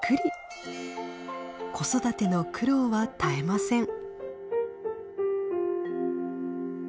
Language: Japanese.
子育ての苦労は絶えません。